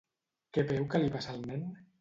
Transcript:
Què veu que li passa al nen?